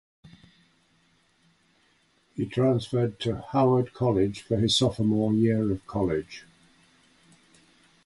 He transferred to Howard College for his sophomore year of college.